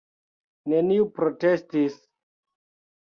Neniu protestis.